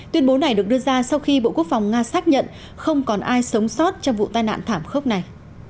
tuyên bố này được đưa ra sau khi bộ quốc phòng nga xác nhận không còn ai sống sót trong vụ tai nạn thảm khốc này